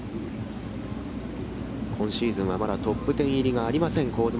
今シーズンはまだトップテン入りがありません香妻